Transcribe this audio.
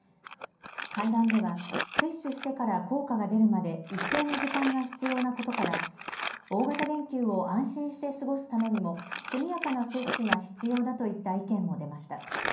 会談では接種してから効果が出るまで一定の時間が必要なことから大型連休を安心して過ごすためにも速やかな接種が必要だといった意見も出ました。